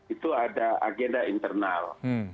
itu ada agenda internal